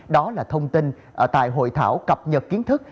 đó là thông tin tại hội thảo cập nhật kiến thức